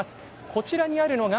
こちらにあるのが